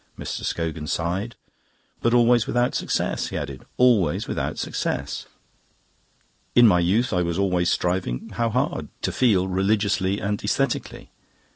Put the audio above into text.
Mr. Scogan sighed. "But always without success," he added, "always without success. In my youth I was always striving how hard! to feel religiously and aesthetically.